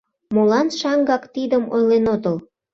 Молан шаҥгак тидым ойлен отыл!